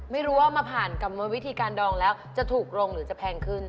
ไม่รู้ว่ามาผ่านกรรมวิธีการดองแล้วจะถูกลงหรือจะแพงขึ้น